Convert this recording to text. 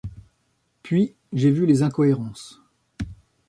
Puis j'ai vu les incohérences.